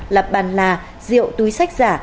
lập bàn là rượu túi sách giả